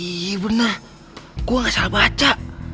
iya bener gue gak salah baca